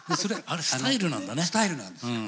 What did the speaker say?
あれスタイルなんだね。スタイルなんですよ。